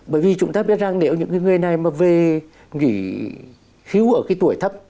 bởi vì chúng ta biết rằng nếu những người này mà về nghỉ hưu ở cái tuổi thấp